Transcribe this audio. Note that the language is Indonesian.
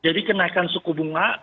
jadi kenaikan suku bunga